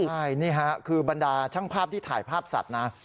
ใช่นี่ฮะคือบรรดาช่างภาพที่ถ่ายภาพสัตว์นะ